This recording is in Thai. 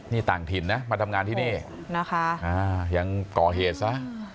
นี่ต่างถิ่นนะมาทำงานที่นี่นะคะยังก่อเหตุซะ